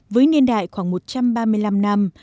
với niên đại khoảng một trăm ba mươi năm năm